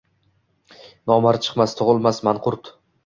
Номард чиқмас, туғилмас манқурт!